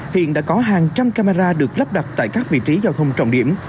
hiện đã có hàng trăm camera được lắp đặt tại các vị trí giao thông trọng điểm